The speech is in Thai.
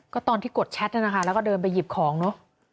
ก็ตอนที่กดแชทนั่นนะคะแล้วก็เดินไปหยิบของเนอะ